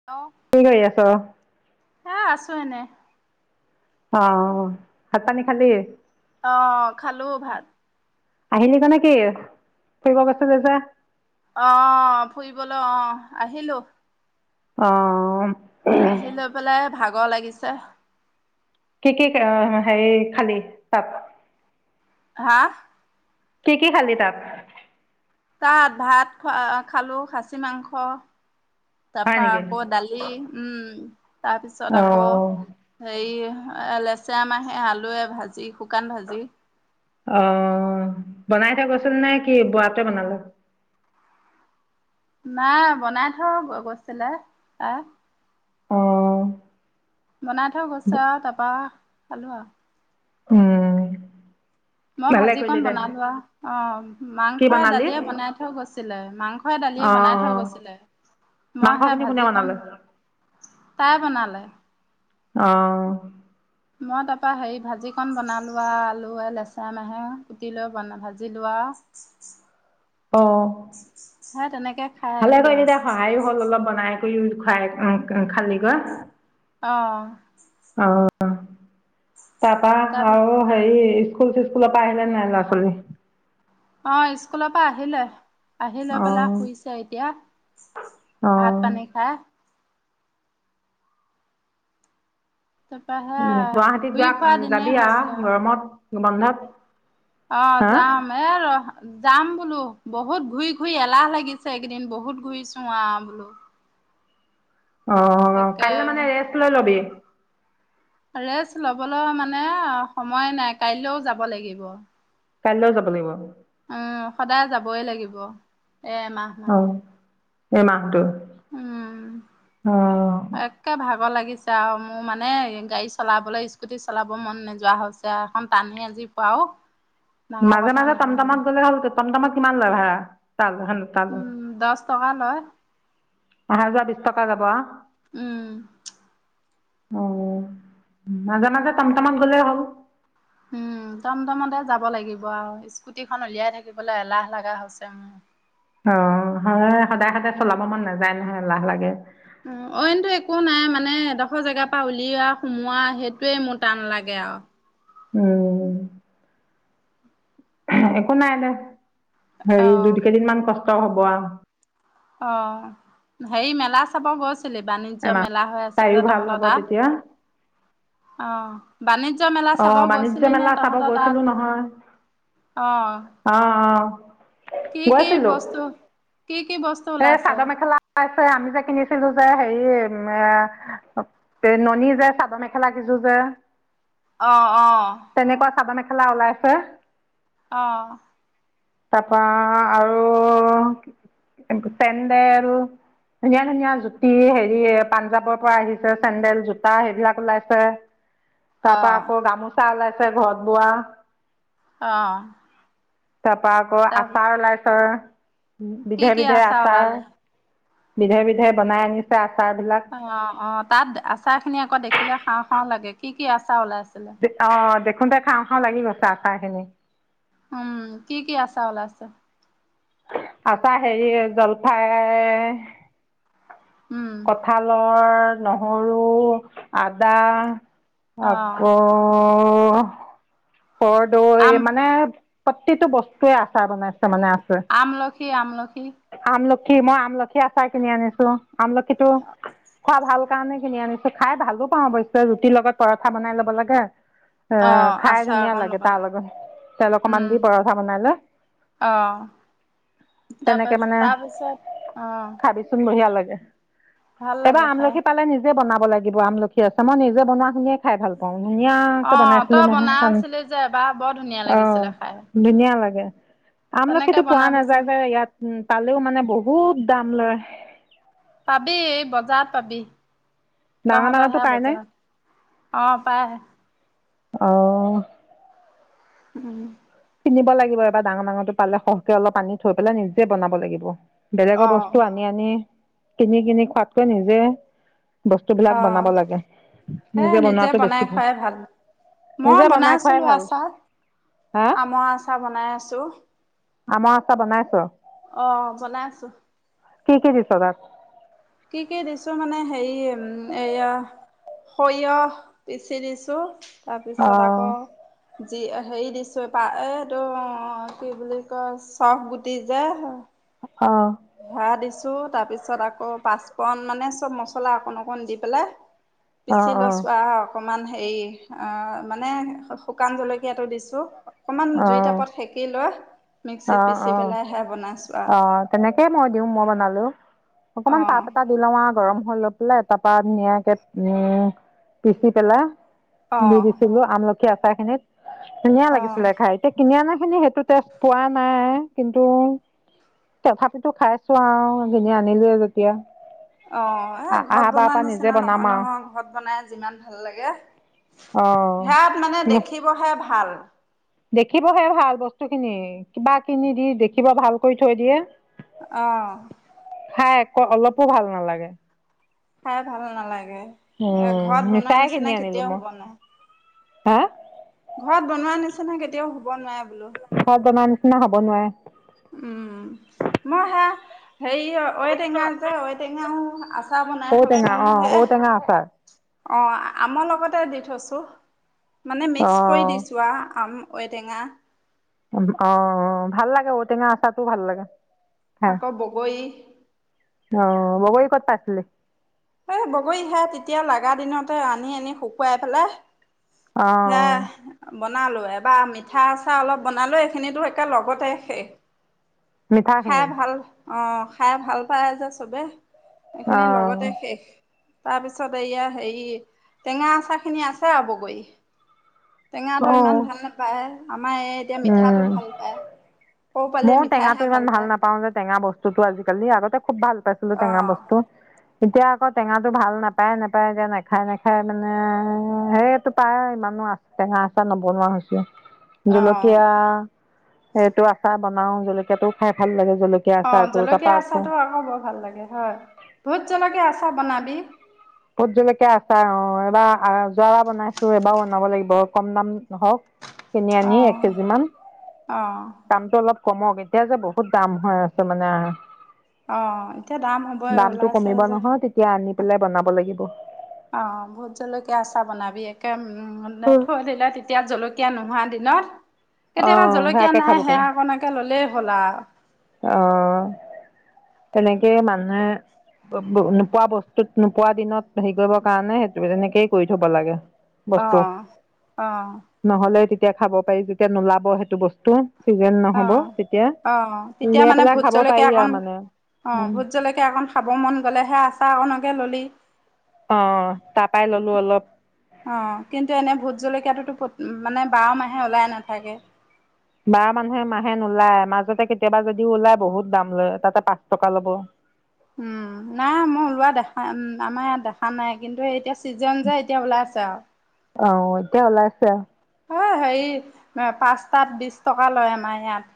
Hello কি কৰি আছ'? এ আছোঁ এনেই অ অ ভাত-পানী খালি? অ খালো ভাত। আহিলি গৈ নেকি ফুৰিব গৈছিলি যে অ ফুৰিবলৈ অ আহিলোঁ অ আহি লৈ পেলাই ভাগৰ লাগিছে কি কি হেই খালি? তাত? হা কি কি খালি তাত? তাত ভাত খ খালো, খাচী মাংস হয় তাপা নেকি? আকৌ দালি সেই উম, তাৰপিছত অ আকৌ হেয়ি এহ লেচেৰা মাহে, আলুৱে ভাজি। শুকান ভাজি। অ' বনাই থৈ গৈছিলি নে কি, বুঢ়াটোৱে বনালে? নাই বনাই থৈ গৈছিলে, তাহ অঁ। বনাই থৈ গছো আ' তাৰপা আ' খালো আও উম। মই ভালে ভাজি কৰিলি কন দে। বনালোৱা, অঁ কি মাংস বনালি? দালিয়ে বনাই থৈ গৈছিলে। মাংস সয় দালিয়ে অ বনাই থৈ গৈছিলে, মই সে মাংসখিনি কোনে ভাজি কণ বনালে? তাই বনালে। অঁ মই তাপৰা হেৰি ভাজিকণ বনালোৱা আলুৱে, লেচেয়া মাহে, কুটি লৈ বন ভাজি লো ৱা [inaudible] অ', খাই ভালে আহিলো কয়িলি আও দে সহায়ো হ'ল অলপ বনাই। [unintelligible] খোৱাই খোৱাই ওঁ ওঁ খালিগৈ। অঁ অঁহ তাৰপা তাৰ আও হেৰি স্কুল চিস্কুল পৰা আহিলে নাই ল'ৰা ছোৱালী? অঁ স্কুলৰ পা আহিলে। আহি লৈ পেলাই অঁ শুইছে এতিয়া, ভাত অঁ পানী খাই। তাৰপৰা ও সেয়া গুৱাহাটীত ঘূৰি যোৱা ফুৰা দিনেই যাবি আ'হ হৈছে গৰমত বন্ধত? অঁ হা যাম এ লৱা হা যাম বোলো, বহুত ঘূৰি ঘূৰি এলাহ লাগিছে এইকেইদিন বহুত ঘূৰিছোঁ আঁ ওম। অঁ তাকে কাইলে মানে ৰেষ্ট লৈ লবি। ৰেষ্ট ল'বলৈ মানে সময়ে নাই কাইল্লেও যাব লাগিব। কাইল্লেও যাব লাগিব? উম সদায় যাবই লাগিব, এ এমাহ। মান। অহ, এই মাহটো? অঁ। এককে ভাগৰ লাগিছে আও মো মানে গাড়ী চলাবলৈ স্কুটি চলাব মন নোযোৱা হৈছে। গা এখন টানি আজুই ফোৱা ও। মাজে মাজে টমটমত গ'লে হ'ল টমটমত কিমান যা ভাড়া তাল খন? উম দছ টকা লয়। আহা যোৱা বিচ টকা যাব আ। উম। উম। মাজে মাজে টমটমত গ'লেই হ'ল। উম টমটমতে যাব লাগিব আও, স্কুটিখন উলিয়াই থাকিবলে এলাহ লগা হৈছে মো। অঁ, হয় সদায় সদায় চলাব মন নেযায় নহয়, এলাহ লাগে। ওঁ, অইনটো একো নাই মানে এডখ জেগাৰ পৰা উলিৱা সোমোৱা সেইটোৱে মোৰ টান লাগে আও। উম। [unintelligible] একো নাই দে। হেৰি দুই অ', কেইদিন মান কষ্ট হব আও। অ' হেৰি মেলা চাব গৈছ ছিলি বাণিজ্য এমাহ মেলা হৈ আছে তাইৰো যে ভাল তহঁতৰ হ'ব তাত? তেতিয়া অঁ বাণিজ্য মেলা অ চাব বাণিজ্য গৈছিলি নে মেলা চাব তহঁতৰ গৈছিলো তাত? অঁ। অঁ, অঁ। কি কি বস্তু, কি কি বস্তু ওলাছে? পাই ছাই আমি যে কিনিছিলোঁ। যে হেৰি এ ননি যে চাদৰ মেখেলা কেইযোৰ যে, অ', অ, তেনেকুৱা চাদৰ মেখেলা ওলাইছে। অ', তাৰপা আৰু চেণ্ডেল ধুনীয়া ধুনীয়া জুতি হেৰি পাঞ্জাৱৰ পৰা আহিছে। চেন্দেল, জোতা সেইবিলাক ওলাইছে। তাৰ পৰা অ', আকৌ গামোচা ওলাইছে। ঘৰত বোৱা অ', তাৰ পৰা আকৌ তাৰপিছত আচাৰ ওলাইছে। কি বিধে কি বিধে আচাৰ ওলালে? বিধে বিধে বনাই আনিছে। আচাৰ বিলাক অ', অ, তাত আচাৰ খিনি আকৌ দেখিলে খাওঁ খাওঁ লাগে। কি কি আচাৰ ওলাইছে? অ', দেখোতে খাওঁ। খাওঁ। লাগি গৈছে আচাৰ খিনি উম', কি কি আচাৰ ওলাইছে? আছা হেৰি জলফাই উম, ৰ নহৰু আদা অ', আকৌ আকৌ আম কৰদৈ মানে প্ৰতিটো বস্তুৰে আচাৰ বনাইছে মানে আছে। আমলখি আমলখি আমলখি মই আমলখি আচাৰ কিনি আনিছোঁ। আমলখিটো খোৱা ভাল কাৰণে কিনি আনিছোঁ। খাই ভালোঁ পাওঁ অৱশ্যে ৰুটিৰ লগত পৰঠা বনাই ল'ব লাগে। এ', অ', খাই আচাৰ ধুনীয়া অকণ লাগে ল'ব তাৰ লগত তেল অকমান দি পৰঠা বনাই লৈ আহ', তাৰপা তেনেকে মানে তাৰপিছত আহ, খাবিচোন বঢ়িয়া লাগে। এইবাৰ লাগে খাই। আমলখি পালে নিজ নিযে বনাব লাগিব। আমলখি আচাৰ মই নিজে বনোৱা খিনিয়ে খাই ভাল পাওঁ। ধুনীয়াকে অ', বনাইছিলো তই নহয় বনাই কণ আছিলি যে এবাৰ বৰ ধুনীয়া অ, লাগিছিলে খাই। ধুনীয়া লাগে। তেনেকে আমলখিতো পোৱা নাযায় বনাবিচোন, যে, ইয়াত উম', পালেও মানে বহুত দাম লয়। পাবি বজাৰত পাবি। ডাঙৰ তহঁতৰ ডাঙৰটো সেই পায়নে বজাৰত অ, পায়। অ', উম', কিনিব লাগিব এবাৰ ডাঙৰ ডাঙৰটো পালে সহকে অলপ পানী থৈ পেলাই নিজে বনাব লাগিব। বেলেগৰ অ', বস্তু আন সে আনি কিনি কিনি খোৱাতকৈ নিজে বস্তুবিলাক বনাব অ'। লাগে। হে নিজে বনোৱাটো বনাই বেছি ভাল খুৱাই মই নিজে বনাই খোৱাই ভাল হা মই আচাৰ বনাই আছোঁ। আমৰ আচাৰ বনাইছো। অ', বনাই আছো। কি কি দিছ তাত? কি কি দিছো মানে হেৰি উম, এয়া সৰিয়হ পিচি দিছো তাৰপিছত আকৌ অঁ যি আ হেৰি দিছো, পা এইটো কি বুলি কয়। চফ গুটি যে, অ', সেয়া দিছো। তাৰ পিছত আকৌ পাঁচপূৰণ মানে সব মছলা অকণ অকণ দি পেলাই। অঁ পিচি অঁ লৈছো আও। অকণমান হেৰি আ মানে শু শুকান জলকীয়াটো দিছোঁ। অকণমান অঁ জুই তাপত সেকি লৈ মিক্সিত পিচি পেলাইহে বনাইছোঁ আৰু। তেনেকেই মই দিওঁ মই বনালো, অকমান অঁ তাপ এটা [unintelligible] লোৱা গৰম হৈ লৈ পেলাই তাৰ পৰা ধুনিয়াকে উম পিচি পেলাই দি অঁ দিছিলো আমলখি আচাৰখিনিত ধুনীয়া অঁ লাগিছিলে খাই এতিয়া কিনি আনাখিনি সেইটো টেষ্ট পোৱা নাই কিন্তু তথাপিতো খাই আছো আৰু কিনি আনিলোয়ে যেতিয়া। অ, এই ঘৰত আহা বাৰ বনোৱা পৰা নিজে নিচিনা বনাম নহয় আৰু নহয় ঘৰত বনাই যিমান ভাল লাগে। সেয়াত মানে অ দেখিবহে ভাল। দেখিবহে ভাল বস্তুখিনি, কিবা কিনি দি দেখিব ভাল কৰি থৈ দিয়ে। অ। খাই একো অলপো ভাল নালাগে। খাই ভাল নালাগে। এ উম ঘৰত বনোৱা মিছাই নিচিনা কিনি আনিলো কেতিয়াও মই, হ'ব নোৱাৰে হা? ঘৰত বনোৱা নিচিনা কেতিয়াও হ'ব নোৱাৰে বোলো। ঘৰত বনোৱাৰ নিচিনা হব নোৱাৰে। উম, মই সেয়া হেৰি ঐটেঙা যে ঐটেঙাও আছ ঔটেঙা অ, ঔটেঙা আচাৰ। অ, আমৰ লগতে দি থৈছো মানে অ মিক্স কৰি দিছো আ আম ঐটেঙা। উম অ, ভাল লাগে ঔটেঙা আচাৰটো ভাল লাগে। খাই আকৌ বগৰী। অ, বগৰী কত পাইছিলি? এই বগৰী হে তেতিয়া লাগা দিনতে আনি আনি শুকুৱাই পেলাই অ সেয়া বনালো, এবাৰ মিঠা আচাৰ অলপ বনালো এইখিনিতো একে লগতে শেষ। খাই মিঠাখিনি ভাল, অ খাই ভাল পায় যে সবে। অ সেইখিনি লগতে শেষ। তাৰপিছত এয়া হেৰি টেঙা আচাৰখিনি আছে আৰু বগৰী। টেঙাটো ইমান উম ভাল নাপায়, আমাৰ এই এতিয়া মিঠাটো ভাল পায়। সৰু পোৱালিয়ে মই টেঙাটো মিঠাইহে ইমান ভাল পায় নাপাওঁ যে টেঙা বস তোটো আজিকালি, আগতে খুব ভাল পাইছিলো টেঙা অঁ বস্তু। এতিয়া আকৌ টেঙাটো ভাল নেপায় নেপায় যে নেখায় নেখায় মানে সেইটো পায় ইমানো আছ টেঙা আচাৰ নবনোৱা হৈছো। [inaudible] জলকীয়া এইটো আচাৰ বনাও, জলকীয়াটো খাই ভাল লাগে জল অ, জলকীয়া আচাৰটো আকৌ বৰ ভাল লাগে হয়, ভোট জলকীয়া আচাৰ বনাবি? ভূত জলকীয়া আচাৰ অহ এইবাৰ আ যোৱা বনাইছো এইবাৰোঁ বনাব লাগিব কম দাম হওঁক। কিনি আনি এক অঁ কেজিমান অঁ দামটো অলপ কমক এতিয়া যে বহুত দাম হৈ আছে মানে। অ এতিয়া দাম হ'বই ওলাইছে যে। তিয়া আনি পেলাই বনাব লাগিব। অ, ভূত জলকীয়া আচাৰ বনাবি একেম উম মানে থৈ দিলে তেতিয়া জলকীয়া নোহোৱা দিনত। কেতিয়াবা জলকীয়া সেয়াকে নাই খাব পাৰিম সেয়াকণকে ললেই হ'ল আৰু। অ', তেনেকে মানুহে নোপোৱা। বস্তুত নোপোৱা দিনত হেৰি কৰিব কাৰণে সেইটো তেনেকেই কৰি থব লাগে। বস্তু অ', অ, নহ'লে তেতিয়া খাব পাৰি। যেতিয়া নোলাব সেইটো বস্তু চিজেন অ নহ'ব তেতিয়া অ', তেতিয়া উলিয়াই মানে পেলাই ভূত খাব জলকীয়া পাৰি অকণ আৰু মানে অ', ভূত জলকীয়া অকণ খাব মন গ'লেহে আচাৰ অকণকে ল'লি অ', তাৰপাই ললো অলপ অ', কিন্তু এনে ভূত জলকীয়াটোতো প্ৰতে মানে বাৰ মাহে ওলাই নাথাকে। বাৰ মানুহে মাহে নোলায় মাজতে কেতিয়াবা যদিও ওলাই বহুত দাম লয়, তাতে পাঁচ টকা ল'ব। উম', নাই। মই ওলোৱা দেখা আমাৰ ইয়াত দেখা নাই। কিন্তু এতিয়া ছিজন যে এতিয়া ওলাই আছে আৰু অ', এতিয়া ওলাই আছে। অ', হেৰি পাঁচটাত বিশ টকা লয়। আমাৰ ইয়াত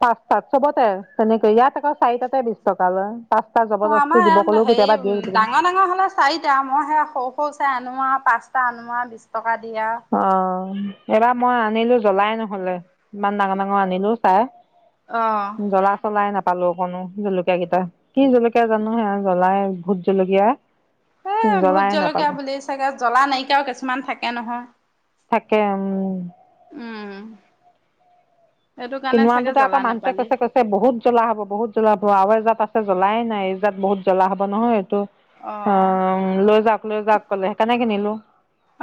পাঁচ তাত চবতে তেনেকে ইয়াত আকৌ চাৰি তাতে বিছ টকা লয়। পাঁচটা জবৰদষ্টি দিব কলেও কেতিয়াবা দিয়ে। সিকিদিন তেনেকে হ'লে চাৰিটা মই হেই সৰু সৰু চাই আনো আৰু পাঁচটা আনো আৰু বিশ টকা দি আৰু অ', এইবাৰ মই আনিলো জলাই নহ'লে ইমান ডাঙৰ ডাঙৰ আনিলো চাই অ', জলা চলাই নাপালো। অকণো জলকীয়া কেইটা কি জলকীয়া জানো হে জলাই ভূত জলকীয়া এ', ভূত জ্বলাই জলকীয়া নাপালো বুলি চাগে জলা নাইকিয়াও কিছুমান থাকে নহয়। থাকে উম, উম', এইটো কাৰণে চাগে জলা নেপালি সেই বহুত জলা হব বহুত জলা হব আৰু এজাত আছে। জলাই নাই এইজাত বহুত জলা হ'ব নহয় এইটো অ', লৈ যাওঁক লৈ যাওঁক কলে সেইকাৰণে কিনিলো।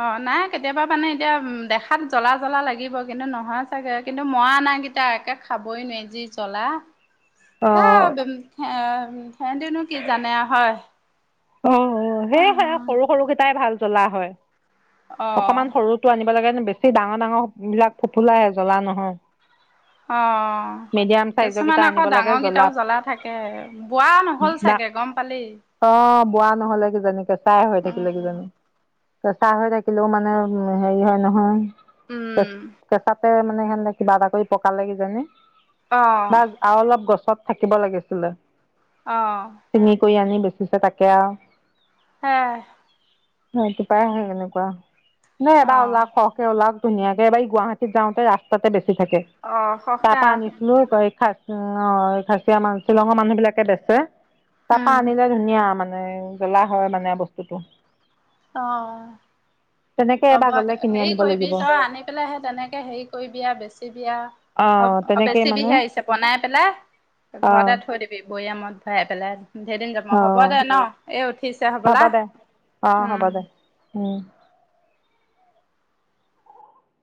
অ', নাই। কেতিয়াবা মানে এতিয়া উ দেখাত জলা জলা লাগিব কিন্তু নহয়। চাগে কিন্তু মই আনা কেইটা একে খাবই নোৱাৰি যি জলা অ', সেয়া সিহন্দেনো কি জানে আৰু হয়। অ', সেয়ে সেয়ে সৰু সৰুকেইটাই ভাল জলা হয়। অ অকমান সৰু টে আনিব লাগে, বেছি ডাঙৰ ডাঙৰ বিলাক ফুফুলাই জ্বলা নহয়। অ', মিডিয়াম চাইজৰ কেইটা কিছুমান আকৌ আনিব লাগে ডাঙৰকিটাও জ্বলা থাকে। বোৱা নহ'ল চাগে গম পালি অ', বোৱা নহ'লে কিজানি কেঁচাই হৈ থাকিলে উম কিজানি। পেচাৰ হৈ থাকিলেও মানে হেৰি হয় নহয়। কে উম কেঁচাতে মানে সেহে কিবা এটা কৰি পকালে কিজানী আহ বা আৰু অলপ গছত থাকিব লাগিছিলে। অ', চিঙি কৰি আনি বেচিছে তাকে আৰু হেয়াই ৰাতিপুৱাই হৈ গ'ল এনেকুৱা নে, এবাৰ আহ উলাৱক ক এতিয়া উলাৱক ধুনীয়াকে এবাৰ ই গুৱাহীত যাওঁতে ৰাস্ত তাতে বেছি থাকে। আহ সহকে তাৰপৰা আনিচিলো [unintelligible] উ', অ, খাচিয়া মান শ্বিলঙৰ মানুহ বিলাকে বেচে উম তাৰাপা আনিলে। ধুনীয়া মানে মানে জ্বলা হয় মানে বস্তুটো। অ। তেনেকে হ'ব, এবাৰ গলে কিনি হেৰি আনিব কৰিবি? লাগিব তই আনি পেলাই হে তেনেকে হেই কইবি আ বেচিবি আ। অহ [unintelligible] তেনেকেই মানে বেচিবিহে আহিছে। বনাই পেলাই অহ ঘৰতে থৈ দিবি। বৈয়ামত ভৰাই পেলাই ধেইদিন যাব হ'ব অহ দে ন? এই উঠিছে হ'ব হ'বলা। দে অহ হ'ব উম। দে উম।